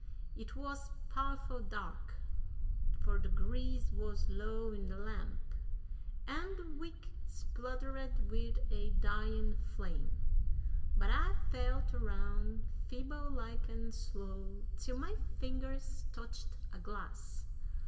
It wuz powerful dark, fur de grease wuz low in de lamp, an' de wick spluttered wid a dyin' flame. But I felt aroun', feeble like an' slow, till my fingers touched a glass.